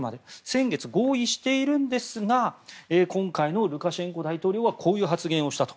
先月合意しているんですが今回のルカシェンコ大統領はこういう発言をしたと。